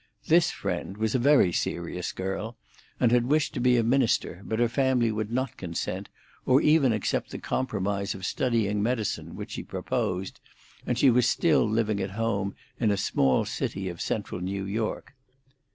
This friend was a very serious girl, and had wished to be a minister, but her family would not consent, or even accept the compromise of studying medicine, which she proposed, and she was still living at home in a small city of central New York.